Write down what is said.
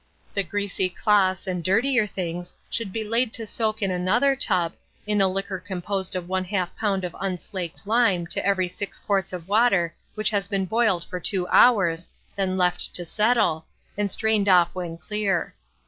The greasy cloths and dirtier things should be laid to soak in another tub, in a liquor composed of 1/2 lb. of unslaked lime to every 6 quarts of water which has been boiled for two hours, then left to settle, and strained off when clear.